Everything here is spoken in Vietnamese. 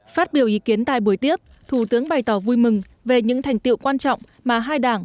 phát biểu ý kiến tại buổi tiếp thủ tướng bày tỏ vui mừng về những thành tiệu quan trọng mà hai đảng